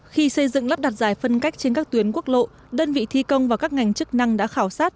khi xây dựng lắp đặt giải phân cách trên các tuyến quốc lộ đơn vị thi công và các ngành chức năng đã khảo sát